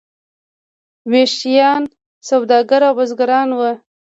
ویشیان سوداګر او بزګران وو.